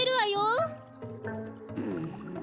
うん。